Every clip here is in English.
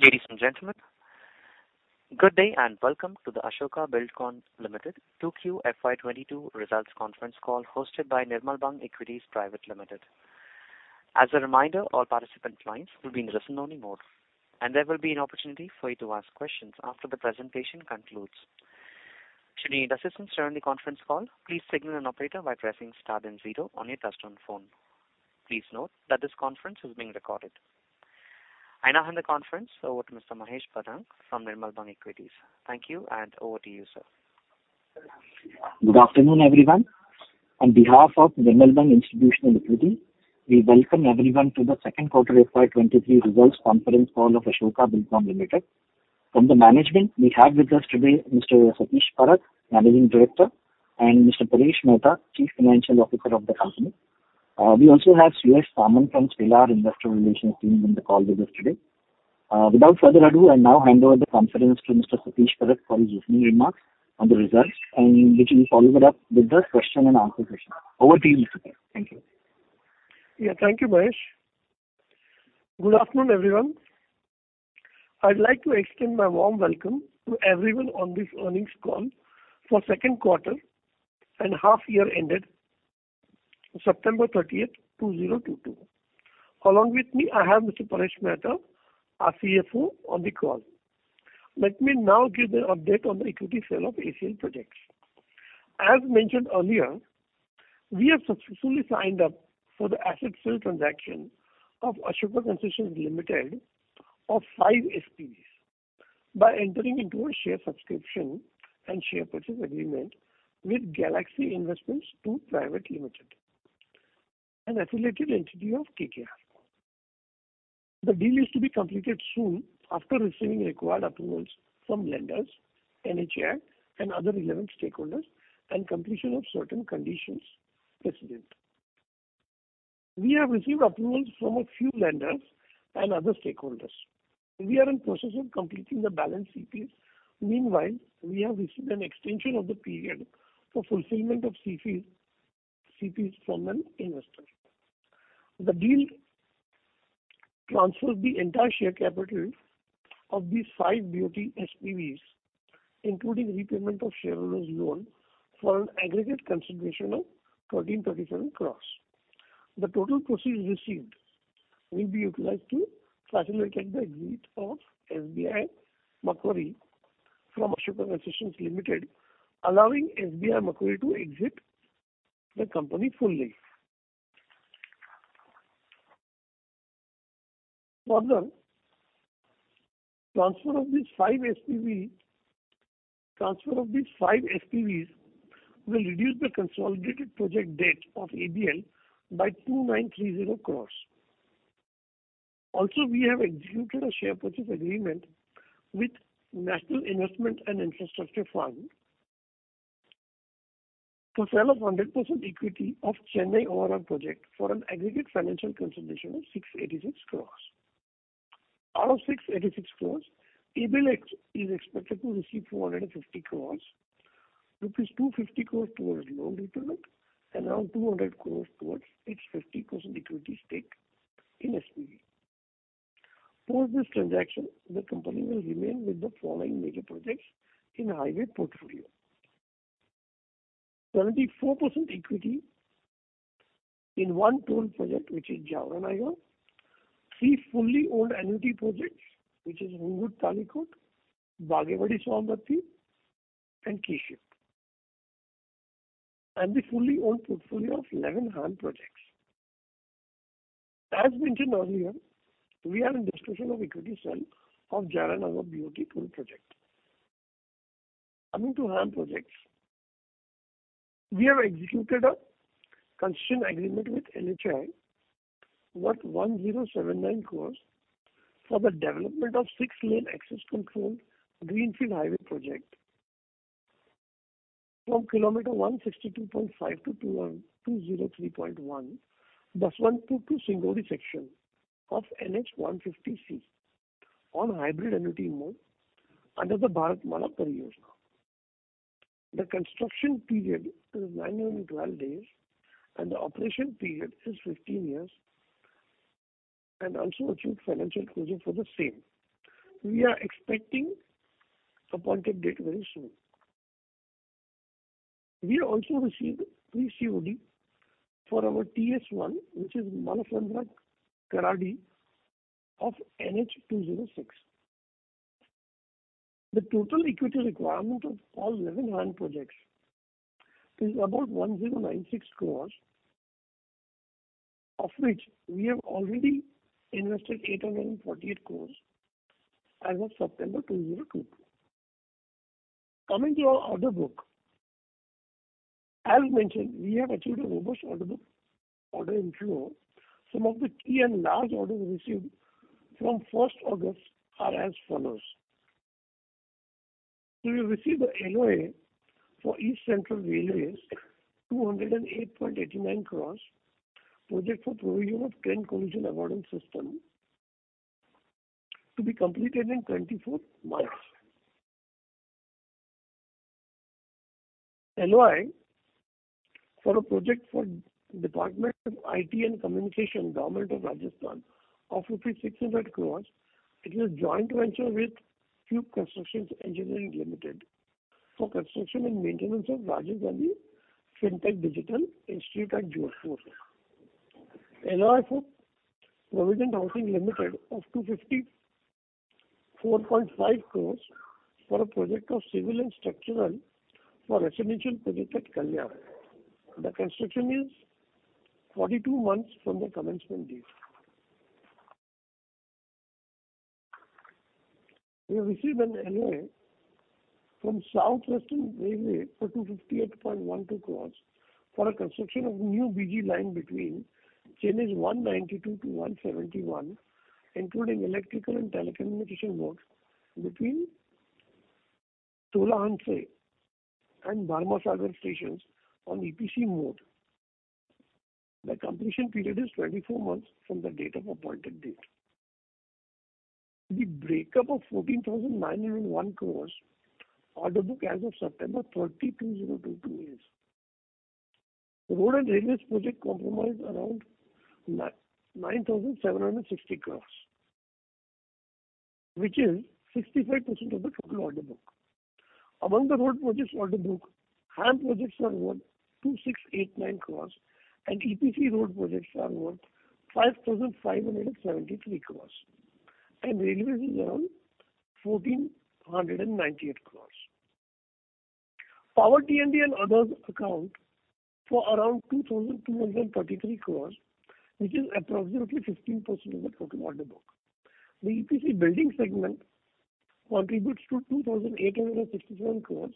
Ladies and gentlemen, good day, and welcome to the Ashoka Buildcon Ltd. 2Q FY 2022 results conference call hosted by Nirmal Bang Equities Private Limited. As a reminder, all participant lines will be in a listen-only mode, and there will be an opportunity for you to ask questions after the presentation concludes. Should you need assistance during the conference call, please signal an operator by pressing star then zero on your touchtone phone. Please note that this conference is being recorded. I now hand the conference over to Mr. Mangesh Bhadang from Nirmal Bang Equities. Thank you, and over to you, sir. Good afternoon, everyone. On behalf of Nirmal Bang Institutional Equities, we welcome everyone to the second quarter FY 2023 results conference call of Ashoka Buildcon Ltd. From the management, we have with us today Mr. Satish Parakh, Managing Director, and Mr. Paresh Mehta, Chief Financial Officer of the company. We also have Suyash Samant from Stellar Investor Relations team on the call with us today. Without further ado, I now hand over the conference to Mr. Satish Parakh for his opening remarks on the results and which will be followed up with the question and answer session. Over to you, Mr. Parakh. Thank you. Yeah. Thank you, Mangesh. Good afternoon, everyone. I'd like to extend my warm welcome to everyone on this earnings call for second quarter and half year ended September 30, 2022. Along with me, I have Mr. Paresh Mehta, our CFO, on the call. Let me now give the update on the equity sale of ACL projects. As mentioned earlier, we have successfully signed up for the asset sale transaction of Ashoka Concessions Ltd. of five SPVs by entering into a share subscription and share purchase agreement with Galaxy Investments II Pte. Ltd., an affiliated entity of KKR. The deal is to be completed soon after receiving required approvals from lenders, NHAI and other relevant stakeholders and completion of certain conditions precedent. We have received approvals from a few lenders and other stakeholders. We are in process of completing the balance CPs. Meanwhile, we have received an extension of the period for fulfillment of CPs from an investor. The deal transfers the entire share capital of these five BOT SPVs, including repayment of shareholders' loan for an aggregate consideration of 1,337 crore (Indian Rupee). The total proceeds received will be utilized to facilitate the exit of SBI Macquarie from Ashoka Concessions Ltd., allowing SBI Macquarie to exit the company fully. Further, transfer of these five SPVs will reduce the consolidated project debt of ABL by 2,930 crore (Indian Rupee). Also, we have executed a share purchase agreement with National Investment and Infrastructure Fund for sale of 100% equity of Chennai Outer Ring Road for an aggregate financial consideration of 686 crore (Indian Rupee). Out of 686 crore (Indian Rupee), ABL is expected to receive 450 crore (Indian Rupee). 250 crores (Indian Rupee) towards loan repayment and around 200 crores (Indian Rupee) towards its 50% equity stake in SPV. Post this transaction, the company will remain with the following major projects in highway portfolio. 74% equity in on toll project, which is Jaora-Nayagaon, three fully owned annuity projects, which is Hungund-Talikot, Bagewadi-Saundatti, and KSHIP, and the fully owned portfolio of 11 HAM projects. As mentioned earlier, we are in discussion of equity sale of Jaora-Nayagaon BOT toll project. Coming to HAM projects, we have executed a construction agreement with NHAI worth 1,079 crores (Indian Rupee) for the development of six-lane access-controlled greenfield highway project from 162.5 km to 212.03 km, Baswantpur to Singondi section of NH 150C on hybrid annuity mode under the Bharatmala Pariyojana. The construction period is 912 days, and the operation period is 15 years and also achieved financial closure for the same. We are expecting an appointed date very soon. We have also received pre-COD for our TS-1, which is Mallasandra Karadi of NH-206. The total equity requirement of all 11 HAM projects is about 1,096 crores (Indian Rupee), of which we have already invested 848 crores (Indian Rupee) as of September 2022. Coming to our order book, as mentioned, we have achieved a robust order book order inflow. Some of the key and large orders received from August 1 are as follows. We received an LOA for East Central Railway, 208.89 crore (Indian Rupee), project for provision of train collision avoidance system to be completed in 24 months. LOI for a project for Department of Information Technology & Communication, Government of Rajasthan of 600 crore (Indian Rupee). It is a joint venture with Cube Construction Engineering Limited for construction and maintenance of Rajiv Gandhi Fintech Digital Institute at Jodhpur. LOI for Provident Housing Limited of 254.5 crore (Indian Rupee) for a project of civil and structural for residential project at Kalyan. The construction is 42 months from the commencement date. We have received an LOI from South Western Railway for 258.12 crore (Indian Rupee) for a construction of new BG line between chains 192 to 171, including electrical and telecommunication work between Tolahunse and Bharmasagar railway stations on EPC mode. The completion period is 24 months from the date of appointed date. The breakup of 14,901 crore (Indian Rupee) order book as of September 30, 2022 is. Road and Railways projects comprise around 9,760 crore (Indian Rupee), which is 65% of the total order book. Among the road projects order book, HAM projects are worth 2,689 crore (Indian Rupee) and EPC road projects are worth 5,573 crore (Indian Rupee), and railways is around 1,498 crore (Indian Rupee). Power T&D and others account for around 2,233 crore, which is approximately 15% of the total order book. The EPC building segment contributes to 2,867 crore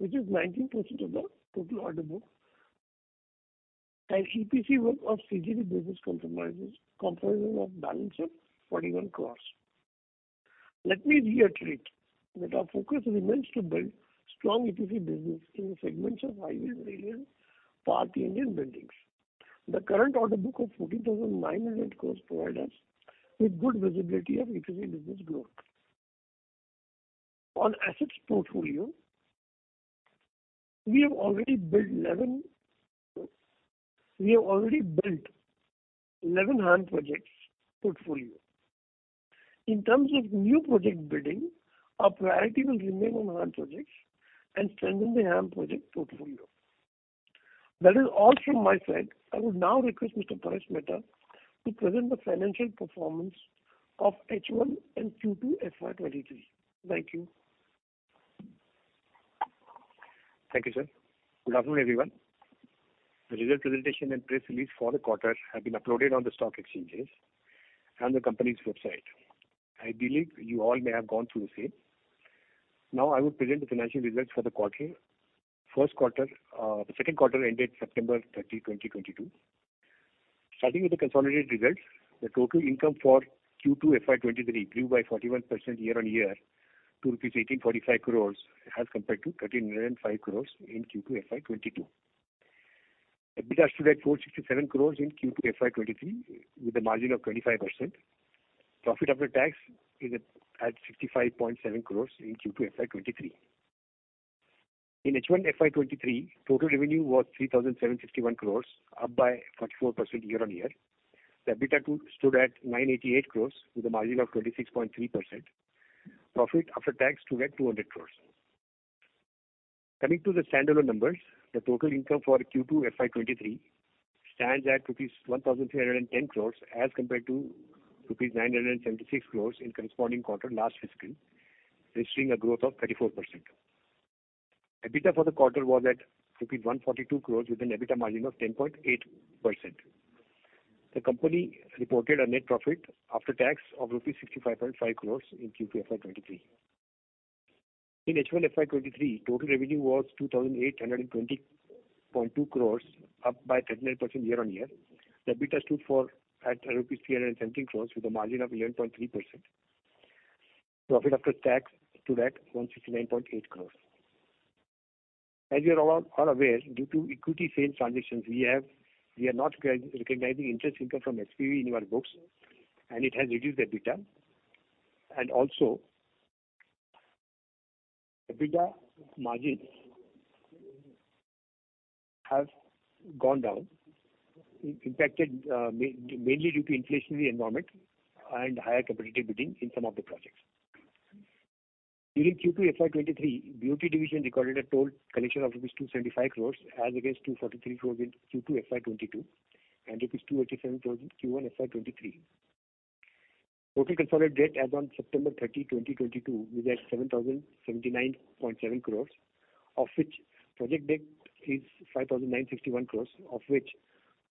(Indian Rupee), which is 19% of the total order book. EPC work of CGD business comprises the balance of 41 crore (Indian Rupee). Let me reiterate that our focus remains to build strong EPC business in the segments of highways, railways, power T&D and buildings. The current order book of 14,900 crore (Indian Rupee) provide us with good visibility of EPC business growth. On assets portfolio, we have already built 11 HAM projects portfolio. In terms of new project bidding, our priority will remain on HAM projects and strengthen the HAM project portfolio. That is all from my side. I would now request Mr. Paresh Mehta to present the financial performance of H1 and Q2 FY 2023. Thank you. Thank you, sir. Good afternoon, everyone. The result presentation and press release for the quarter have been uploaded on the stock exchanges and the company's website. I believe you all may have gone through the same. Now I will present the financial results for the quarter, first quarter, the second quarter ended September 30, 2022. Starting with the consolidated results, the total income for Q2 FY 2023 grew by 41% year-on-year to 1,845 crores (Indian Rupee) as compared to 1,305 crores (Indian Rupee) in Q2 FY 2022. EBITDA stood at 467 crores (Indian Rupee) in Q2 FY 2023 with a margin of 25%. Profit after tax is at 65.7 crores (Indian Rupee) in Q2 FY 2023. In H1 FY 2023, total revenue was 3,761 crores (Indian Rupee), up by 44% year-on-year. The EBITDA too stood at 988 crore (Indian Rupee) with a margin of 26.3%. Profit after tax stood at 200 crore (Indian Rupee). Coming to the standalone numbers, the total income for Q2 FY 2023 stands at 1,310 crore (Indian Rupee) as compared to 976 crore (Indian Rupee) in corresponding quarter last fiscal, registering a growth of 34%. EBITDA for the quarter was at 142 crore (Indian Rupee) with an EBITDA margin of 10.8%. The company reported a net profit after tax of 65.5 crore (Indian Rupee) in Q2 FY 2023. In H1 FY 2023, total revenue was 2,820.2 crore (Indian Rupee), up by 39% year-on-year. The EBITDA stood at 317 crore (Indian Rupee) with a margin of 11.3%. Profit after tax stood at 169.8 crore (Indian Rupee). As you are all aware, due to equity sale transactions we are not recognizing interest income from SPV in our books, and it has reduced EBITDA. EBITDA margins have gone down, impacted mainly due to inflationary environment and higher competitive bidding in some of the projects. During Q2 FY 2023, BOT division recorded a toll collection of 275 crore (Indian Rupee) as against 243 crore (Indian Rupee) in Q2 FY 2022 and 287 crore (Indian Rupee) in Q1 FY 2023. Total consolidated debt as on September 30, 2022 is at 7,079.7 crore (Indian Rupee), of which project debt is 5,961 crore (Indian Rupee), of which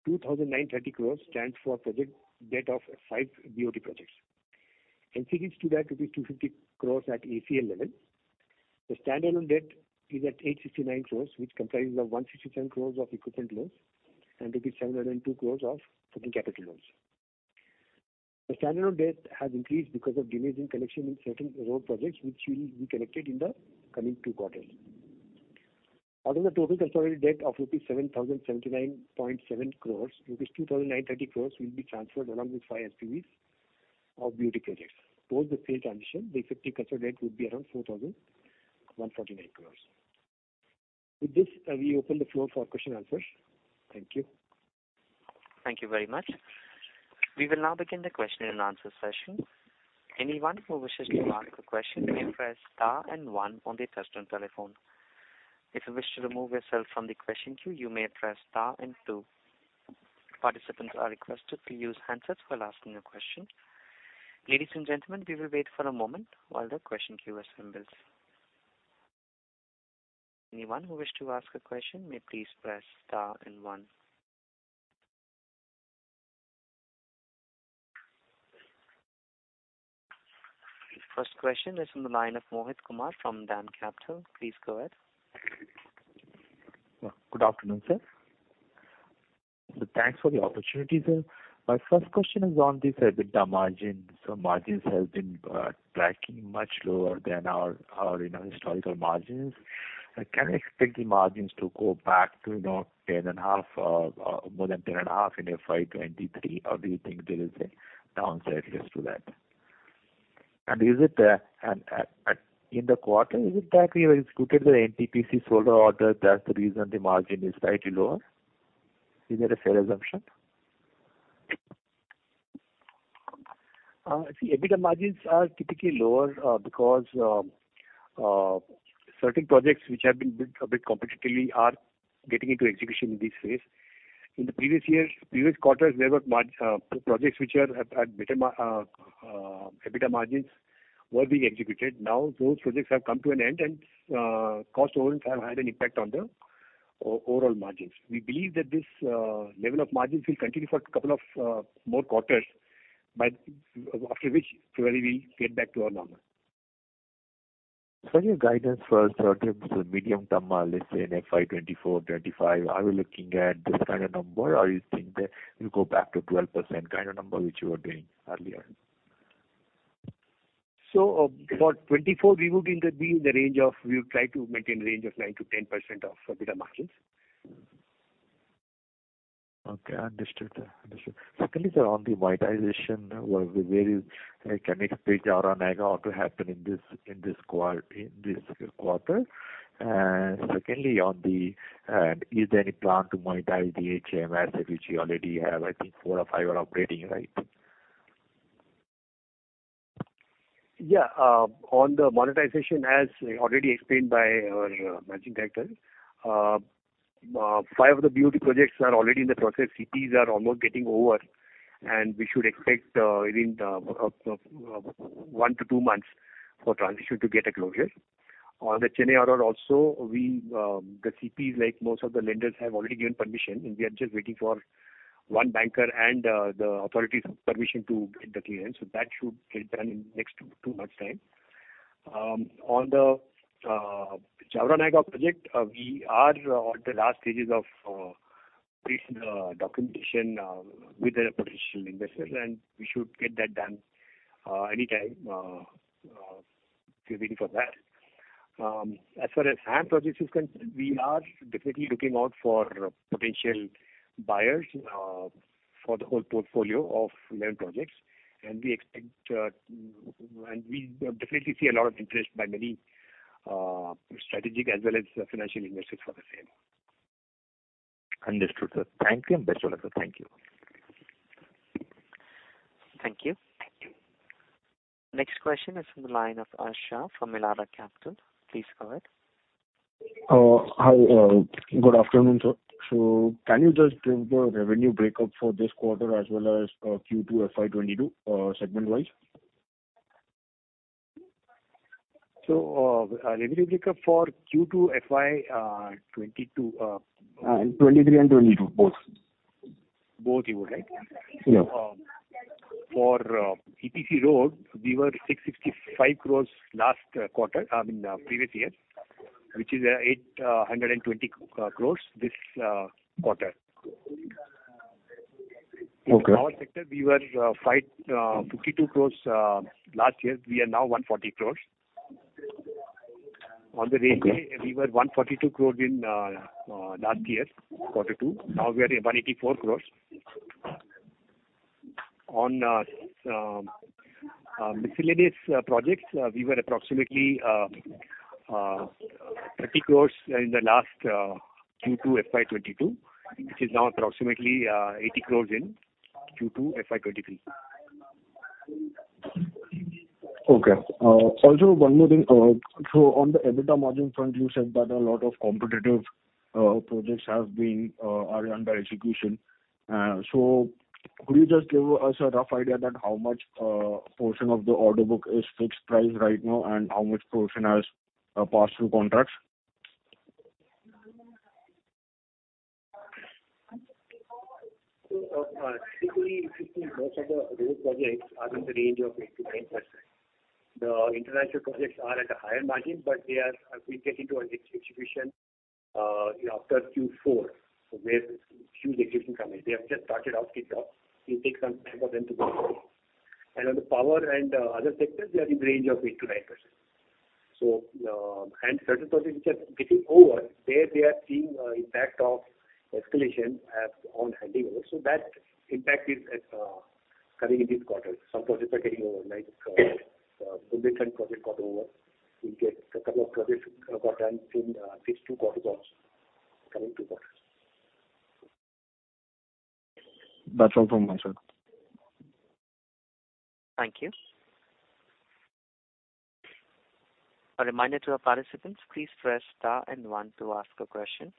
2,930 crore (Indian Rupee) stands for project debt of five BOT projects. NCDs stood at 250 crore (Indian Rupee) at ACL level. The standalone debt is at 869 crores (Indian Rupee), which comprises of 167 crores (Indian Rupee) of equipment loans and 702 crores (Indian Rupee) of working capital loans. The standalone debt has increased because of delays in collection in certain road projects which will be collected in the coming two quarters. Out of the total consolidated debt of 7,079.7 crores (Indian Rupee), 2,930 crores (Indian Rupee) will be transferred along with five SPVs of BOT projects. Post the sale transition, the net debt would be around 4,149 crores (Indian Rupee). With this, we open the floor for questions and answers. Thank you. Thank you very much. We will now begin the question and answer session. Anyone who wishes to ask a question may press star and one on their touchtone telephone. If you wish to remove yourself from the question queue, you may press star and two. Participants are requested to use handsets while asking a question. Ladies and gentlemen, we will wait for a moment while the question queue assembles. Anyone who wish to ask a question may please press star and one. First question is from the line of Mohit Kumar from DAM Capital. Please go ahead. Good afternoon, sir. Thanks for the opportunity, sir. My first question is on this EBITDA margin. Margins have been tracking much lower than our, you know, historical margins. Can I expect the margins to go back to, you know, 10.5%, more than 10.5% in FY 2023? Or do you think there is a downside risk to that? Is it in the quarter that we've executed the NTPC solar order, that's the reason the margin is slightly lower? Is that a fair assumption? See, EBITDA margins are typically lower because certain projects which have been built a bit competitively are getting into execution in this phase. In the previous years, previous quarters, there were projects which have had better EBITDA margins were being executed. Now, those projects have come to an end and cost overruns have had an impact on the overall margins. We believe that this level of margins will continue for a couple of more quarters, but after which probably we get back to our normal. Your guidance for certain medium-term, let's say in FY 2024, 2025, are you looking at this kind of number or you think that you'll go back to 12% kind of number which you were doing earlier? For 2024, we would try to maintain a range of 9%-10% EBITDA margins. Okay, understood. Secondly, sir, on the monetization, can we expect Jaora-Nayagaon to happen in this quarter? Secondly, is there any plan to monetize the HAM asset which you already have? I think four or five are operating, right? Yeah, on the monetization, as already explained by our Managing Director, five of the BOT projects are already in the process. CPs are almost getting over, and we should expect within one to two months for transition to get a closure. On the Chennai ORR also, the CPs, like most of the lenders, have already given permission, and we are just waiting for one banker and the authorities' permission to get the clearance. That should get done in next two months' time. On the Jaora-Nayagaon project, we are on the last stages of this documentation with the potential investors, and we should get that done anytime. We're waiting for that. As far as HAM projects is concerned, we are definitely looking out for potential buyers, for the whole portfolio of land projects. We expect, and we definitely see a lot of interest by many, strategic as well as financial investors for the same. Understood, sir. Thank you. Best of luck, sir. Thank you. Thank you. Next question is from the line of Ash Shah from Elara Capital. Please go ahead. Hi, good afternoon, sir. Can you just give the revenue break-up for this quarter as well as Q2 FY 2022, segment-wise? Revenue break-up for Q2 FY 2022. 2023 and 2022 both. Both you would like? Yeah. For PPC Road, we were 665 crore (Indian Rupee) last quarter, I mean, previous year, which is 820 crore (Indian Rupee) this quarter. Okay. Power sector, we were 552 crores (Indian Rupee) last year. We are now 140 crores (Indian Rupee). Okay. On the railway, we were 142 crore (Indian Rupee) in last year's quarter two. Now we are at 184 crores (Indian Rupee). On some miscellaneous projects, we were approximately 30 crore (Indian Rupee) in the last Q2 FY 2022, which is now approximately 80 crore (Indian Rupee) in Q2 FY 2023. Okay. Also one more thing. On the EBITDA margin front, you said that a lot of competitive projects are under execution. Could you just give us a rough idea that how much portion of the order book is fixed price right now, and how much portion has pass-through contracts? Typically 50% of the road projects are in the range of 8%-9%. The international projects are at a higher margin, but they are, we get into execution after Q4, where huge execution comes in. They have just started out the job. It takes some time for them to go through. On the power and other sectors, they are in the range of 8%-9%. Certain projects which are getting over, there they are seeing impact of escalation as on handing over. That impact is coming in this quarter. Some projects are getting over, like 1.7 project got over. We get a couple of projects got done in these two quarters also, coming two quarters. That's all from my side. Thank you. A reminder to our participants, please press star and one to ask a question.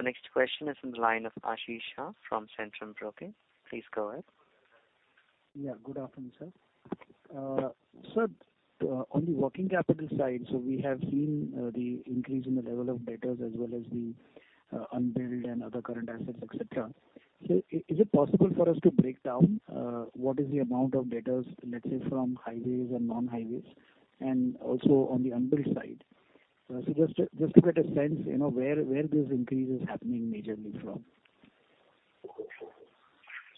The next question is from the line of Ashish Shah from Centrum Broking. Please go ahead. Yeah, good afternoon, sir. Sir, on the working capital side, so we have seen the increase in the level of debtors as well as the unbilled and other current assets, et cetera. Is it possible for us to break down what is the amount of debtors, let's say from highways and non-highways, and also on the unbilled side? Just to get a sense, you know, where this increase is happening majorly from?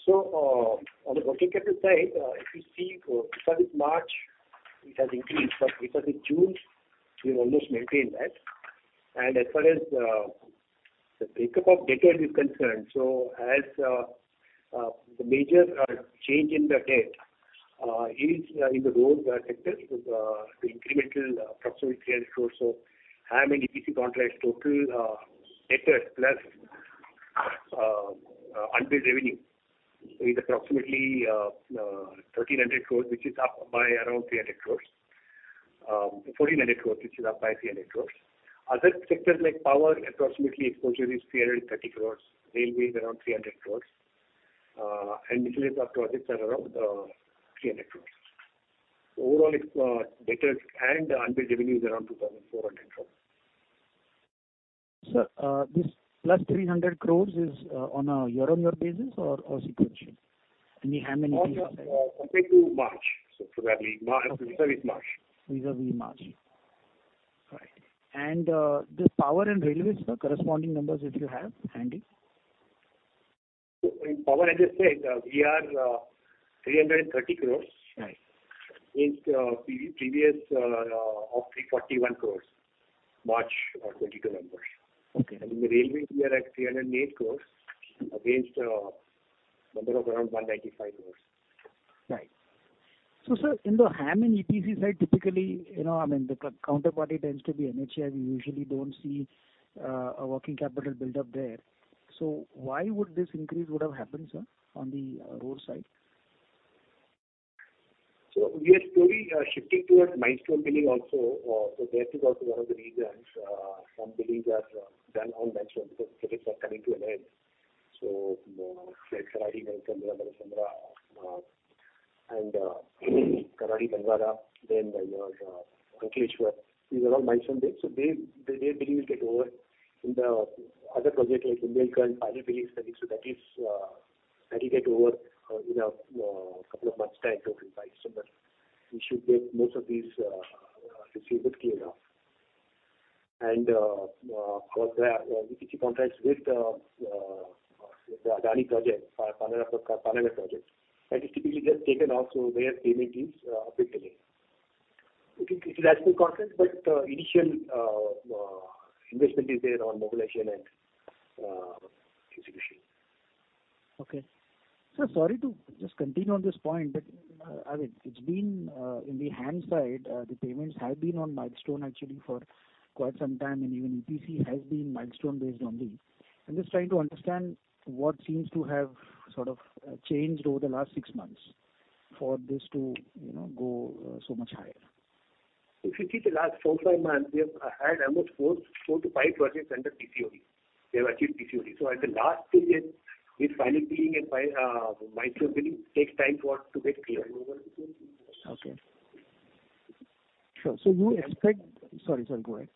On the working capital side, if you see for March, it has increased. For Q3 June, we've almost maintained that. As far as the breakup of debtors is concerned, the major change in the debtors is in the road sector. The incremental approximately 300 crores (Indian Rupee). Having EPC contracts, total debtors plus unbilled revenue is approximately 1,300 crores (Indian Rupee), which is up by around 300 crores (Indian Rupee). 1,400 crores (Indian Rupee), which is up by 300 crores (Indian Rupee). Other sectors like power, approximately exposure is 330 crores (Indian Rupee). Railways around 300 crores (Indian Rupee). Miscellaneous projects are around 300 crores (Indian Rupee). Overall, it's debtors and unbilled revenue is around 2,400 crores (Indian Rupee). Sir, this plus 300 crore (Indian Rupee) is on a year-on-year basis or sequential? We have many- Compared to March. For that vis-à-vis March. Okay. Vis-à-vis March. All right. This power and railways, sir, corresponding numbers if you have handy. In power, as I said, we are 330 crore (Indian Rupee). Right. Against previous of 341 crores (Indian Rupee), March 2022 numbers. Okay. In the railway, we are at 308 crores (Indian Rupee) against number of around 195 crores (Indian Rupee). Right. Sir, in the HAM and EPC side, typically, you know, I mean, the counterparty tends to be NHAI. We usually don't see a working capital build up there. Why would this increase would have happened, sir, on the road side? We are slowly shifting towards milestone billing also. That is also one of the reasons some billings are done on milestone because projects are coming to an end. Say Karadi-Banwara, [inaudible] and Karadi-Banwara, then you know Ankleshwar, these are all milestone bills. Their billing will get over. In the other project like Indira Gandhi Canal, final billing is coming. That will get over in a couple of months' time, two, three months. We should get most of these receivables cleared off. For the EPC contracts with the Adani project, Panagarh project, that is typically just taken off, so their payment is a bit delayed. It is actual contract, but initial investment is there on mobilization and execution. Okay. Sir, sorry to just continue on this point, but, I mean, it's been on the vendor side, the payments have been on milestone actually for quite some time, and even EPC has been milestone based only. I'm just trying to understand what seems to have sort of changed over the last six months for this to, you know, go so much higher. If you see the last four to five months, we have had almost four to five projects under PCOD. They have achieved PCOD. At the last stages, it's finally billing and milestone billing takes time to get cleared. Okay. Sure. Sorry, sir. Go ahead.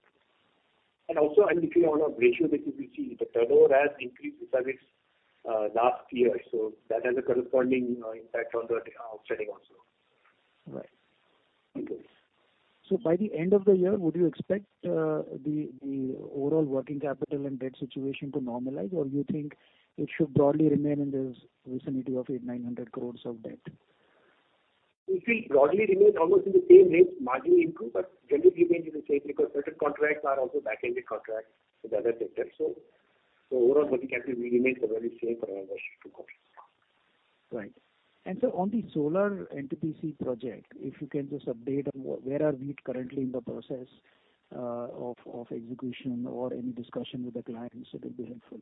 Also, I mean, if you want a ratio basis, you see the turnover has increased vis-à-vis last year, so that has a corresponding, you know, impact on the offsetting also. Right. Thank you. By the end of the year, would you expect the overall working capital and debt situation to normalize? Or you think it should broadly remain in the vicinity of 800-900 crores (Indian Rupee) of debt? It will broadly remain almost in the same range, marginally improve, but generally remain in the same because certain contracts are also back-ended contracts with other sectors. Overall working capital will remain probably same for another two quarters. Right. Sir, on the solar NTPC project, if you can just update on where we are currently in the process of execution or any discussion with the client, so it'll be helpful.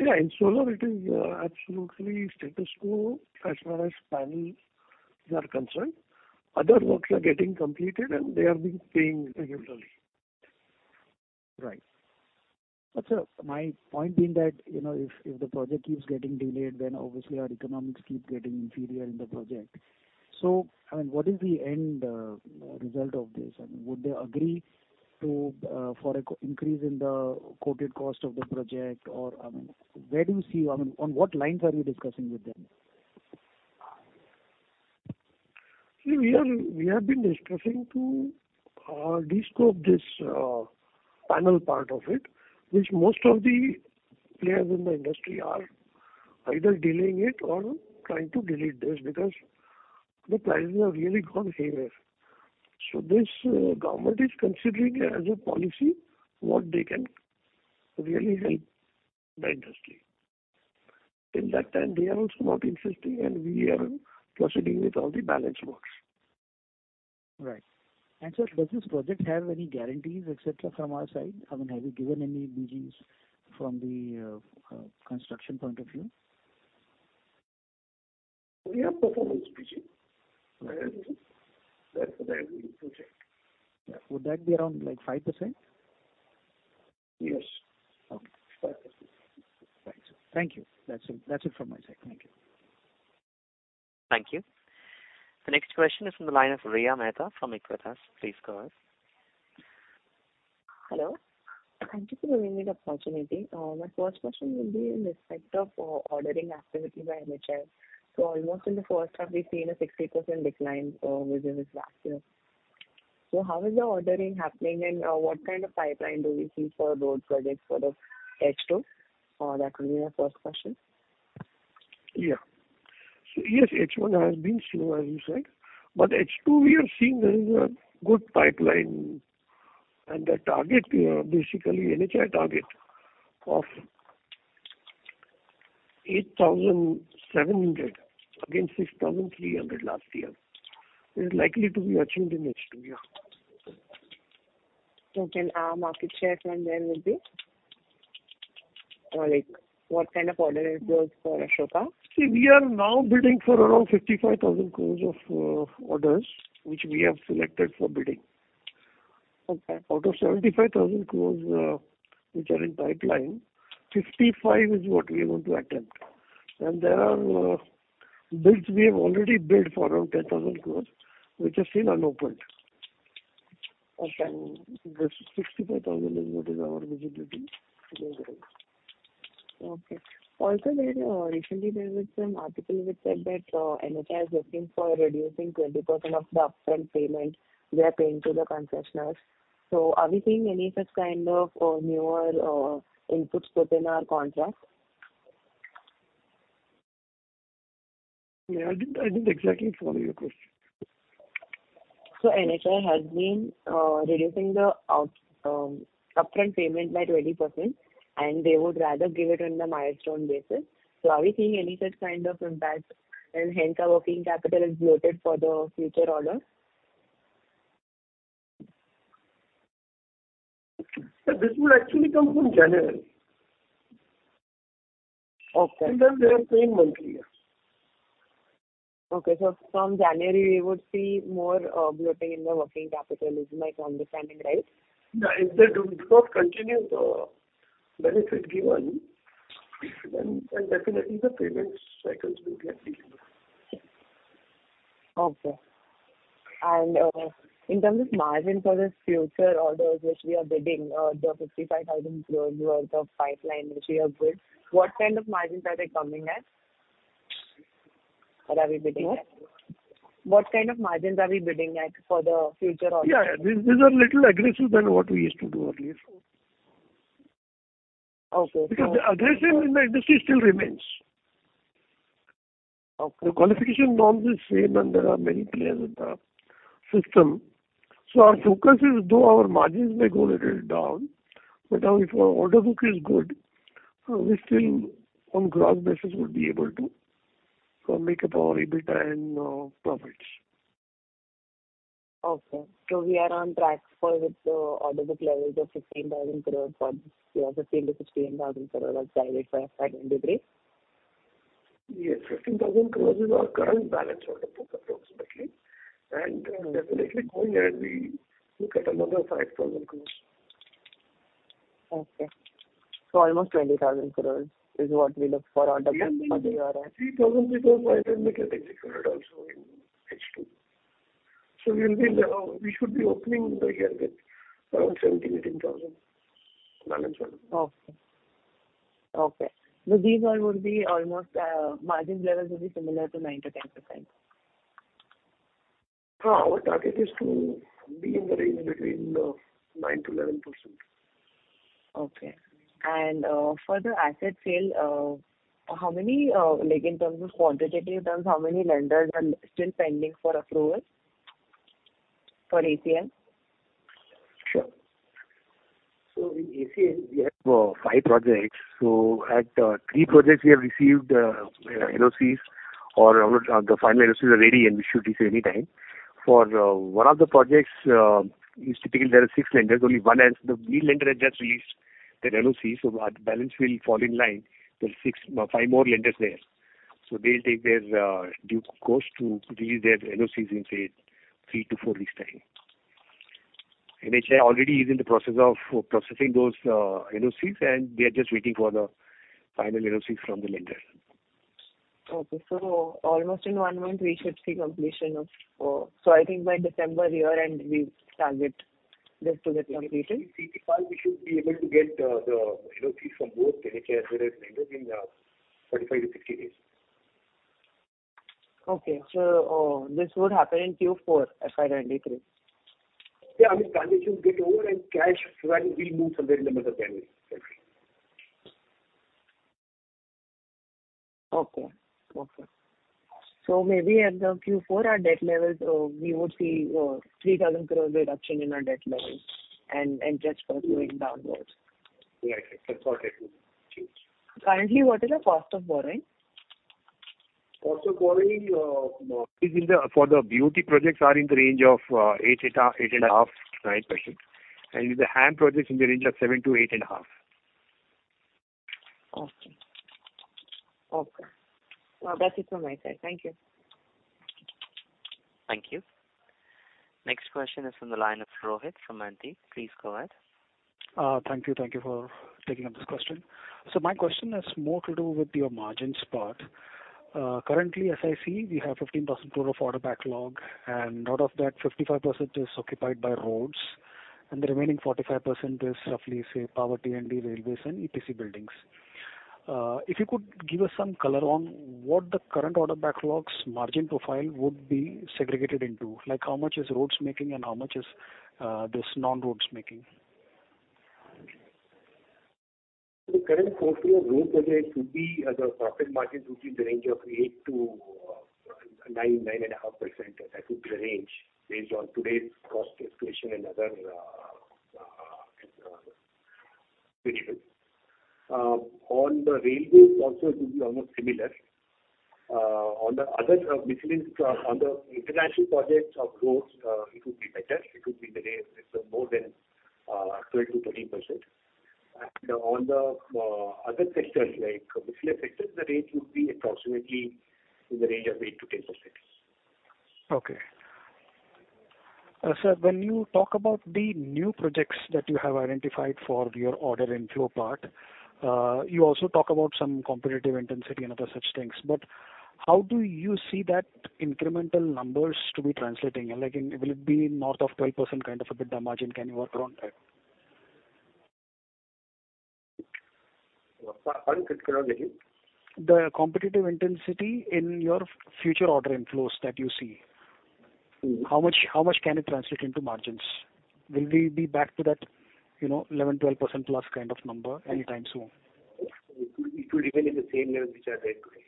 Yeah. In solar, it is absolutely status quo as far as panels are concerned. Other works are getting completed, and they are being paying regularly. Right. Sir, my point being that, you know, if the project keeps getting delayed, then obviously our economics keep getting inferior in the project. I mean, what is the end result of this? I mean, would they agree to for a cost increase in the quoted cost of the project? I mean, where do you see on what lines are you discussing with them? We have been discussing to de-scope this panel part of it, which most of the players in the industry are either delaying it or trying to delete this because the prices have really gone haywire. This government is considering as a policy what they can really help the industry. In that time, they are also not insisting, and we are proceeding with all the balance works. Right. Sir, does this project have any guarantees, et cetera, from our side? I mean, have you given any BGs from the construction point of view? We have performance BG. Okay. That's for every project. Yeah. Would that be around, like, 5%? Yes. Okay. 5%. Thanks. Thank you. That's it, that's it from my side. Thank you. Thank you. The next question is from the line of Riya Mehta from Aequitas. Please go ahead. Hello. Thank you for giving me the opportunity. My first question will be in respect of ordering activity by NHAI. Almost in the first half, we've seen a 60% decline within this last year. How is the ordering happening, and what kind of pipeline do we see for road projects for the H2? That will be my first question. Yes, H1 has been slow, as you said. H2, we are seeing there is a good pipeline, and the target, basically NHAI target of 8,700 against 6,300 last year is likely to be achieved in H2. Can our market share from there will be? Or like, what kind of order it goes for Ashoka? See, we are now bidding for around 55,000 crore (Indian Rupee) of orders which we have selected for bidding. Okay. Out of 75,000 crore (Indian Rupee), which are in pipeline, 55,000 crore (Indian Rupee) is what we are going to attempt. There are bids we have already bid for around 10,000 crore (Indian Rupee), which are still unopened. Okay. This 65,000 (Indian Rupee) is what is our visibility to go ahead. Okay. Also, there recently there was some article which said that, NHAI is looking for reducing 20% of the upfront payment they are paying to the concessionaires. Are we seeing any such kind of newer inputs within our contract? Yeah. I didn't exactly follow your question. NHAI has been reducing the upfront payment by 20%, and they would rather give it on the milestone basis. Are we seeing any such kind of impact and hence our working capital is bloated for the future orders? This will actually come from January. Okay. They are paying monthly, yeah. Okay. From January, we would see more bloating in the working capital. Is my understanding right? Yeah. If they do not continue the benefit given, then definitely the payment cycles will get delayed. Okay. In terms of margin for the future orders which we are bidding, the 55,000 crore (Indian Rupee) worth of pipeline which we have bid, what kind of margins are they coming at? Or are we bidding at? What? What kind of margins are we bidding at for the future orders? Yeah. These are a little more aggressive than what we used to do earlier. Okay. Because the aggression in the industry still remains. Okay. The qualification norms is same, and there are many players in the system. Our focus is, though our margins may go a little down, but now if our order book is good, we still on gross basis would be able to make up our EBITDA and profits. Okay. We are on track with the order book levels of 15,000 crore (Indian Rupee) for this year, 15,000-16,000 crore (Indian Rupee) [as guided by management?] Yes. 15,000 crore (Indian Rupee) is our current balance order book approximately. Definitely going ahead, we look at another 5,000 crore (Indian Rupee). Okay. Almost 20,000 crore (Indian Rupee) is what we look for order book for the year end. INR 3,000 to INR 4,000-5,000 (Indian Rupee)we can execute it also in H2. We should be opening the year with around 17,000-18,000 (Indian Rupee) balance orders. These all would be almost, margin levels will be similar to 9%-10%? Our target is to be in the range between 9%-11%. Okay. For the asset sale, how many, like in terms of quantitative terms, how many lenders are still pending for approval for ACL? Sure. In ACL we have five projects. At three projects we have received LOCs or the final LOCs are ready, and we should receive any time. For one of the projects, typically there are six lenders. New lender has just released their LOC, so our balance will fall in line. There are six, five more lenders there. They'll take their due course to release their LOCs in, say, three to four weeks' time. NHAI already is in the process of processing those LOCs, and they are just waiting for the final LOCs from the lender. Okay. Almost in one month we should see completion of. I think by December year-end we target this to get completed. In CT file we should be able to get the NOCs from both NHAI as well as lender in 45-60 days. Okay. This would happen in Q4, FY 2023. I mean, once you get over the cash when we move from that debt limit. Maybe at the Q4, our debt levels, we would see 3,000 crore (Indian Rupee) reduction in our debt levels and just going downwards. Right. That's what it will change. Currently, what is the cost of borrowing? Cost of borrowing for the BOT projects are in the range of 8.5%, 9%. With the HAM projects in the range of 7%-8.5%. Okay. Well, that's it from my side. Thank you. Thank you. Next question is from the line of Rohit from Antique. Please go ahead. Thank you. Thank you for taking up this question. My question has more to do with your margins part. Currently, as I see, we have 15,000 crore (Indian Rupee) of order backlog, and out of that 55% is occupied by roads, and the remaining 45% is roughly, say, power, T&D, railways, and EPC buildings. If you could give us some color on what the current order backlogs margin profile would be segregated into. Like, how much is roads making and how much is this non-roads making? The current portfolio of road projects would be the profit margin would be in the range of 8%-9.5%. That would be the range based on today's cost escalation and other variables. On the railways also it will be almost similar. On the other miscellaneous, on the international projects of roads, it would be better. It would be in the range of more than 12%-13%. On the other sectors like miscellaneous sectors, the range would be approximately in the range of 8%-10%. Sir, when you talk about the new projects that you have identified for your order inflow part, you also talk about some competitive intensity and other such things. How do you see that incremental numbers to be translating? Like in, will it be north of 12% kind of a EBITDA margin? Can you work around that? Pardon. Could you? The competitive intensity in your future order inflows that you see? Mm-hmm. How much can it translate into margins? Will we be back to that, you know, 11%, 12%+ kind of number anytime soon? It will remain in the same range which are there today.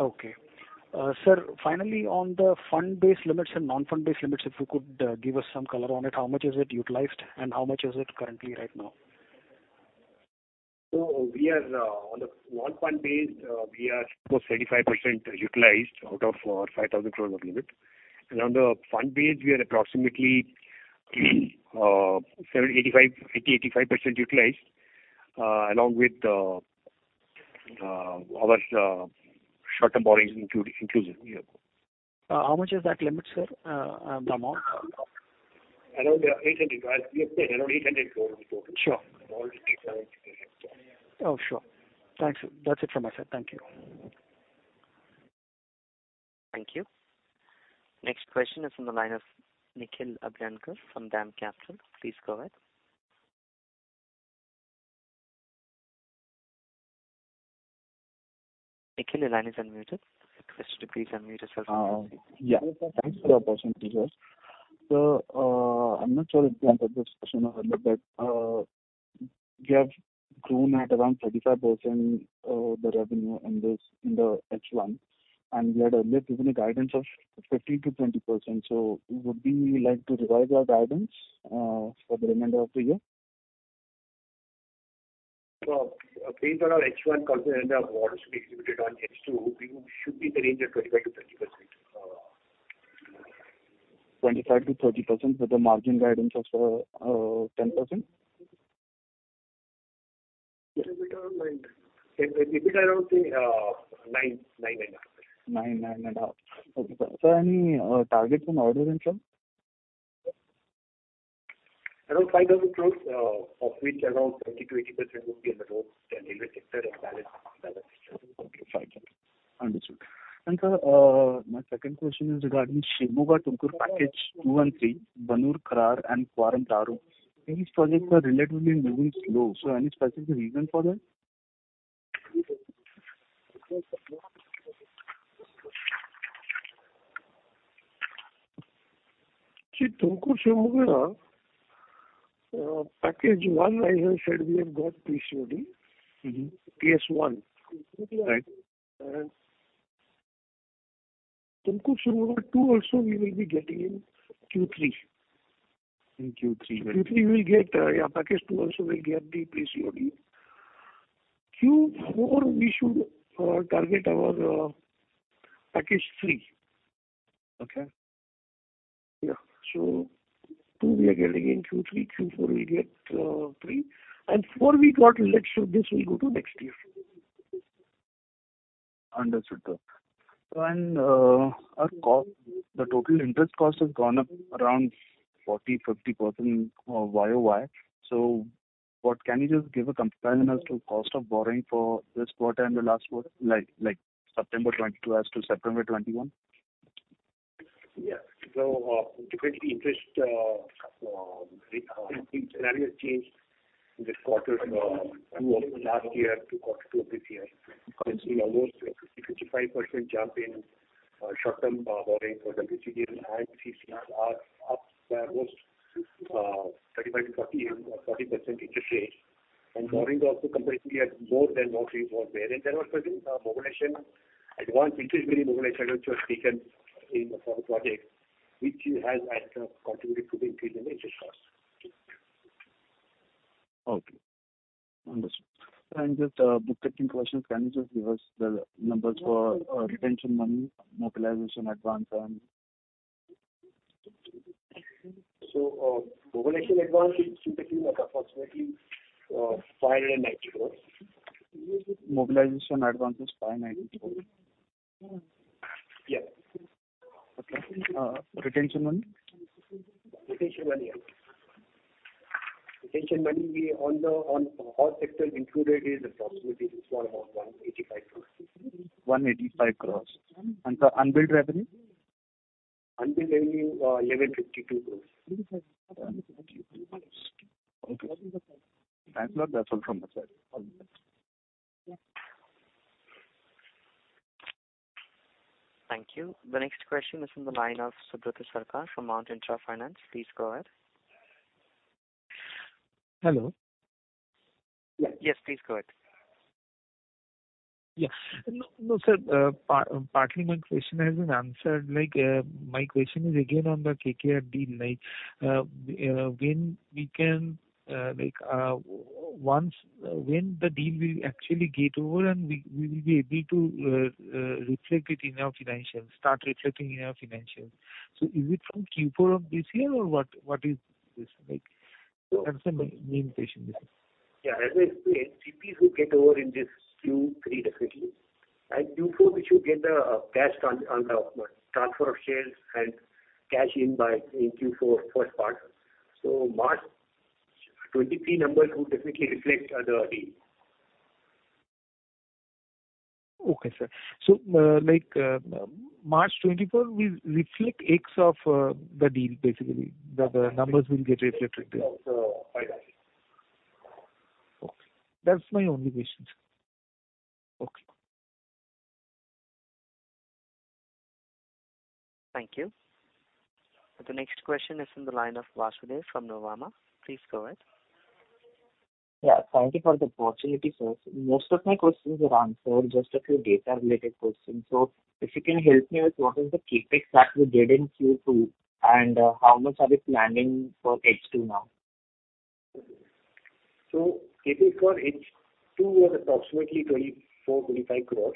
Okay. Sir, finally, on the fund-based limits and non-fund-based limits, if you could give us some color on it, how much is it utilized and how much is it currently right now? We are on the non-fund based close to 35% utilized out of our 5,000 crore (Indian Rupee) of limit. On the fund-based, we are approximately 78%-85% utilized along with our short-term borrowings inclusive. How much is that limit, sir? The amount. Around, yeah, 800 (Indian Rupee). As we have said, around INR 800 crore (Indian Rupee)in total. Sure. All the Oh, sure. Thanks. That's it from my side. Thank you. Thank you. Next question is from the line of Nikhil Abhyankar from DAM Capital. Please go ahead. Nikhil, your line is unmuted. Could you please unmute yourself? Yeah. Thanks for the opportunity, sir. I'm not sure if you answered this question or not, but you have grown at around 35%, the revenue in the H1. You had earlier given a guidance of 15%-20%. Would we like to revise our guidance for the remainder of the year? Based on our H1 confidence and the awards to be executed on H2, we should be in the range of 25%-30%. 25%-30% with a margin guidance of 10%? It will be around 9%-9.5%. 9.5%. Okay. Any targets on order inflow? Around 5,000 crore (Indian Rupee), of which around 20%-80% will be in the roads and railway sector and balance in other sectors. Okay. 5,000 (Indian Rupee). Understood. Sir, my second question is regarding Shivamogga-Tumkur Package 2 and 3, Banur-Kharar and Kwaram Taro. These projects are relatively moving slow, so any specific reason for that? See, Tumkur-Shivamogga Package 1, as I said, we have got PCOD. Mm-hmm. PS 1. Right. Tumkur-Shivamogga too also we will be getting in Q3. In Q3. Q3 we will get package two also we'll get the PCOD. Q4 we should target our package three. Okay. Yeah. Two we are getting in Q3. Q4 we get three. Four we got late, so this will go to next year. Understood, sir. Our cost, the total interest cost has gone up around 40%-50% YoY. What can you just give a comparison as to cost of borrowing for this quarter and the last quarter, like September 2022 as to September 2021? Yeah. Typically interest scenario changed this quarter from two of last year to quarter two of this year. We've seen almost a 50%-55% jump in short-term borrowing for the EPCs are up by almost 35%-40% interest rates. Borrowing is also comparatively at more than what it was wherein there was, I think, mobilization advance interest mobilization which was taken in for the projects which has contributed to the increase in the interest cost. Okay. Understood. Just, bookkeeping questions. Can you just give us the numbers for retention money, mobilization advance and? Mobilization advance is approximately 590 crores (Indian Rupee). Mobilization advance is 590 crores (Indian Rupee). Yeah. Okay. Retention money? Retention money. Retention money on all sectors included is approximately for about 185 crores (Indian Rupee). 185 crores (Indian Rupee). The unbilled revenue? Unbilled revenue, 1,152 crore (Indian Rupee). Okay. Thanks a lot. That's all from my side. All the best. Thank you. The next question is from the line of Subrata Sarkar from Mount Intra Finance. Please go ahead. Hello. Yes, please go ahead. Yes. No, no, sir. Partly my question has been answered. Like, my question is again on the KKR deal. Like, when we can, like, once, when the deal will actually get over and we will be able to reflect it in our financials, start reflecting in our financials. Is it from Q4 of this year or what is this like? That's my main question, this is. Yeah. As I explained, NTPC will get over in this Q3 definitely. Q4 we should get the cash on the transfer of shares and cash in by in Q4 first part. March 2023 numbers will definitely reflect the deal. Okay, sir. Like, March 24th will reflect ex of the deal basically. The numbers will get reflected. Yes. Finally. Okay. That's my only question, sir. Okay. Thank you. The next question is from the line of Vasudev from Nuvama. Please go ahead. Yeah, thank you for the opportunity, sir. Most of my questions were answered. Just a few data related questions. If you can help me with what is the CapEx that we did in Q2 and how much are we planning for H2 now? CapEx for H2 was approximately 24-25 crores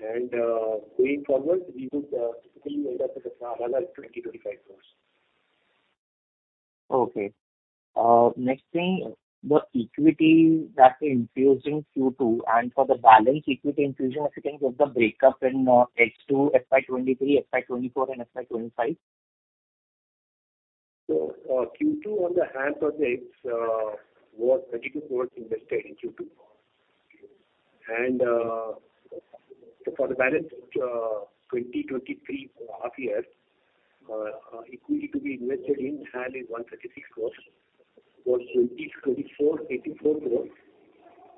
(Indian Rupee). Going forward, we would typically end up with around 20-25 crores (Indian Rupee). Okay. Next thing, the equity that we infused in Q2 and for the balance equity infusion, if you can give the breakup in H2, FY 2023, FY 2024 and FY 2025? Q2 on the HAM projects was 32 crores (Indian Rupee) invested in Q2. For the balance, 2023 half year, equity to be invested in HAM is 136 crores (Indian Rupee). For 2024, 84 crores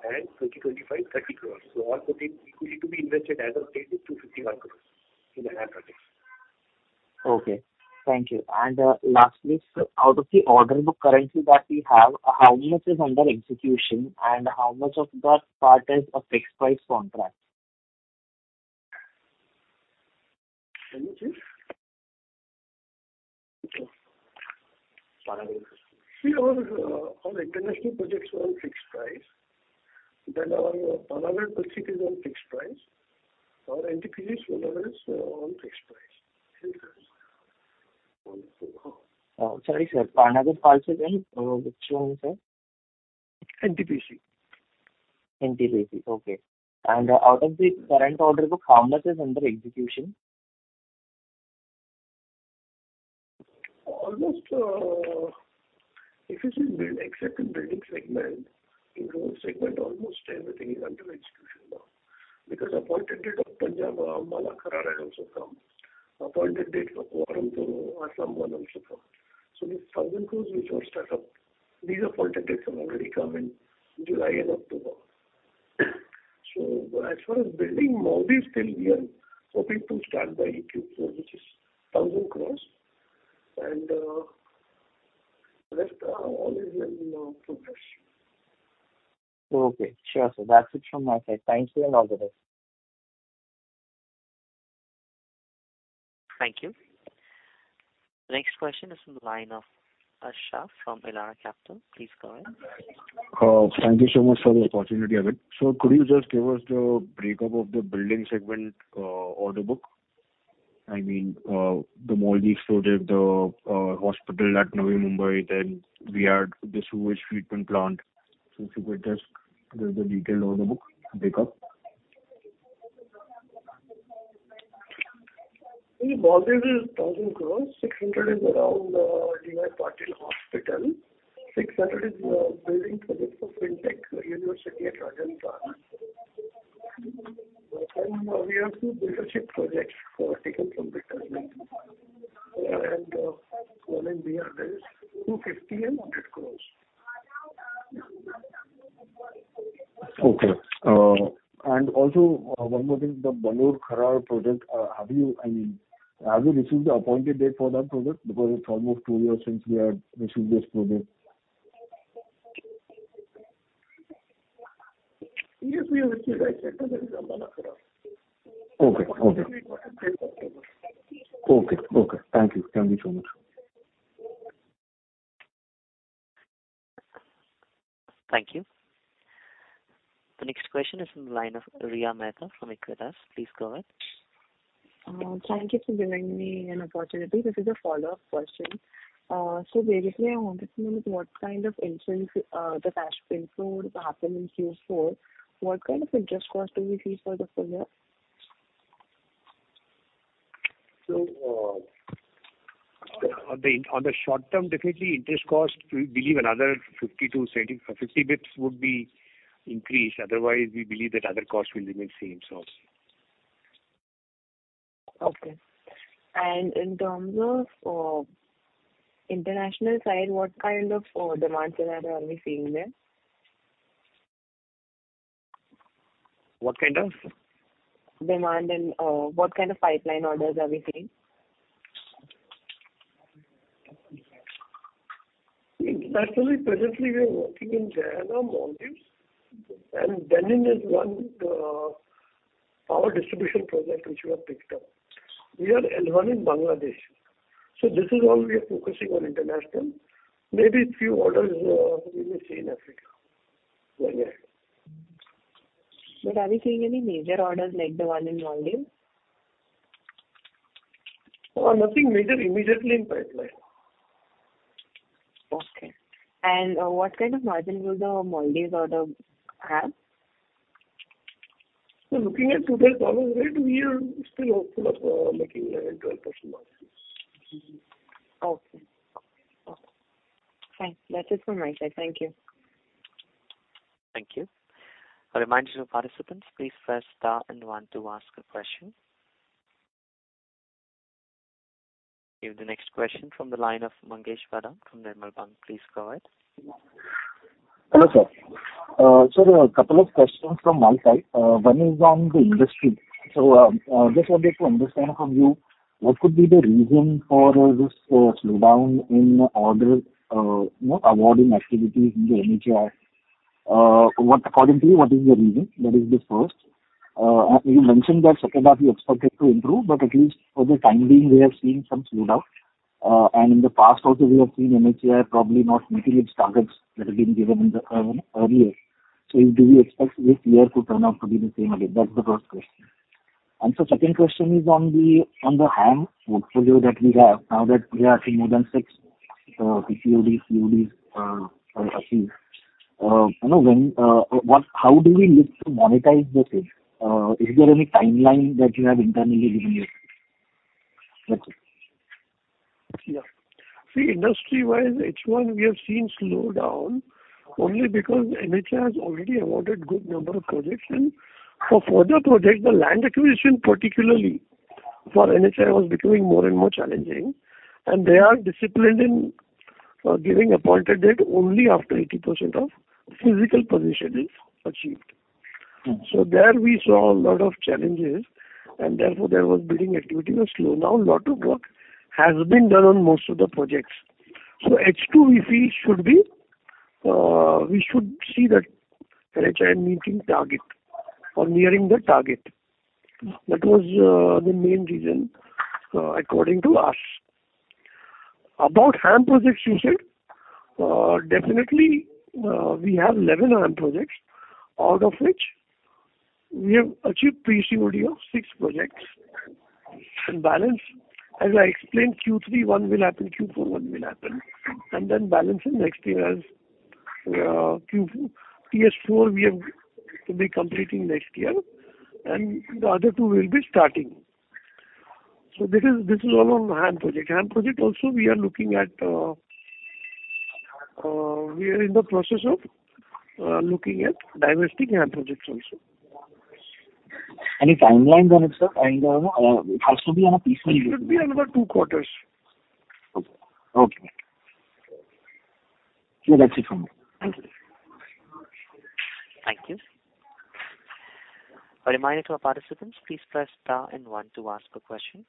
and 2025, 30 crores (Indian Rupee). Total equity to be invested as of date is 251 crores (Indian Rupee) in the HAM projects. Okay. Thank you. Lastly, sir, out of the order book currently that we have, how much is under execution and how much of that part is a fixed price contract? Can you please? Panagarh. See our international projects are on fixed price. Our Panagarh project is on fixed price. Our NTPC Solar is on fixed price. NTPC. Sorry, sir. Panagarh project is in which one, sir? NTPC. NTPC. Okay. Out of the current order book, how much is under execution? Almost, if you see, except in building segment, in road segment, almost everything is under execution now. Appointed date of Punjab, Ambala-Kharar has also come. Appointed date of [Aurangabad-Sasaram] also come. The 1,000 crore (Indian Rupee) which was stuck up, these appointed dates have already come in July and October. As far as building, Maldives still we are hoping to start by Q4, which is 1,000 crore (Indian Rupee). Rest all is in progress. Okay. Sure, sir. That's it from my side. Thank you and all the best. Thank you. Next question is from the line of Ash Shah from Elara Capital. Please go ahead. Thank you so much for the opportunity, Abid. Sir, could you just give us the breakup of the building segment, order book? I mean, the Maldives project, the hospital at Navi Mumbai, then we had the sewage treatment plant. If you could just give the detailed order book breakup. The Maldives is 1,000 crore (Indian Rupee). 600 crore (Indian Rupee) is around D. Y. Patil Hospital. 600 crore (Indian Rupee) is building project for Fintech Digital Institute. We have two balance sheet projects, four taken from retirement. One in BR, that is 250 crore (Indian Rupee) and 100 crore (Indian Rupee). Okay. Also, one more thing. The Kharar-Ludhiana project, I mean, have you received the appointed date for that project? Because it's almost two years since we have received this project. Yes, we have received that project, the Kharar-Ludhiana. Okay. Thank you so much. Thank you. The next question is from the line of Riya Mehta from Aequitas. Please go ahead. Thank you for giving me an opportunity. This is a follow-up question. Basically I wanted to know what kind of influence the cash inflow to happen in Q4 what kind of interest cost do we see for the full year? On the short term, definitely interest cost, we believe another 50-70 basis points would be increased. Otherwise, we believe that other costs will remain same. Okay. In terms of international side, what kind of demands are we seeing there? What kind of? Demand and what kind of pipeline orders are we seeing? Internationally, presently we are working in Seychelles, Maldives, and Benin on one power distribution project which we have picked up. One in Bangladesh. This is all we are focusing on internationally. Maybe few orders we may see in Africa over there. Are we seeing any major orders like the one in Maldives? Nothing major immediately in pipeline. Okay. What kind of margin will the Maldives order have? Looking at $2,000 rate, we are still hopeful of making a 12% margin. Okay. Okay. That's it from my side. Thank you. Thank you. A reminder to participants, please press star and one to ask a question. Give the next question from the line of Mangesh Bhadang from Nirmal Bang. Please go ahead. Hello, sir. So a couple of questions from my side. One is on the industry. Just wanted to understand from you, what could be the reason for this slowdown in order, you know, awarding activities in the NHAI? What according to you, what is the reason? That is the first. You mentioned that second half you expect it to improve, but at least for the time being, we have seen some slowdown. In the past also we have seen NHAI probably not meeting its targets that have been given in the earlier. Do you expect this year to turn out to be the same again? That's the first question. Second question is on the HAM portfolio that we have. Now that we are seeing more than six PCOD, COD achieved. You know, how do we look to monetize the same? Is there any timeline that you have internally given yet? That's it. Yeah. See, industry-wise, H1 we have seen slowdown only because NHAI has already awarded a good number of projects. For further projects, the land acquisition particularly for NHAI was becoming more and more challenging. They are disciplined in giving appointed date only after 80% physical possession is achieved. There we saw a lot of challenges. Therefore, there was bidding activity slowdown. A lot of work has been done on most of the projects. H2 we feel should be, we should see that NHAI meeting target or nearing the target. That was the main reason according to us. About HAM projects you said. Definitely, we have 11 HAM projects, out of which we have achieved PCOD of six projects. Balance, as I explained, Q3 one will happen, Q4 one will happen. Balance in next year as Q4 FY 2024 we have to be completing next year, and the other two will be starting. This is all on HAM project. HAM project also we are looking at. We are in the process of looking at divesting HAM projects also. Any timelines on it, sir? I mean, you know, it has to be on a peaceful. It should be another two quarters. Okay. Okay. Yeah, that's it from me. Thank you. Thank you. A reminder to our participants. Please press star and one to ask a question.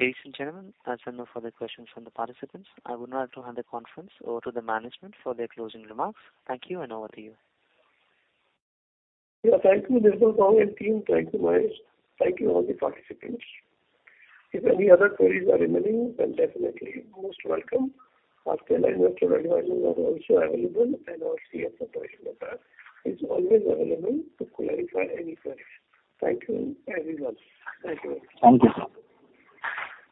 Ladies and gentlemen, as there are no further questions from the participants, I would now like to hand the conference over to the management for their closing remarks. Thank you and over to you. Yeah, thank you, Nirmal Bang and team. Thank you, Mangesh. Thank you all the participants. If any other queries are remaining, then definitely most welcome. Our Stellar Investor Relations are also available, and our CFO Paresh Mehta is always available to clarify any queries. Thank you, everyone. Thank you. Thank you.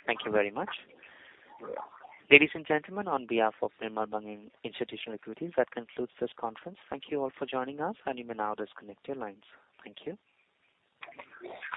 Thank you very much. Ladies and gentlemen, on behalf of Nirmal Bang Institutional Equities, that concludes this conference. Thank you all for joining us, and you may now disconnect your lines. Thank you.